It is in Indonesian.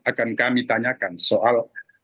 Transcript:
akan kami tanyakan soal